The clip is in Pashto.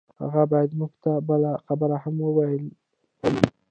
هغه بايد موږ ته بله خبره هم ويلي وای.